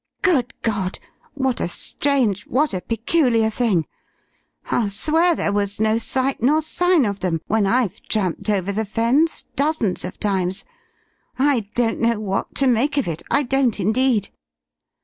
"Good God! What a strange what a peculiar thing! I'll swear there was no sight nor sign of them when I've tramped over the Fens dozens of times. I don't know what to make of it, I don't indeed!"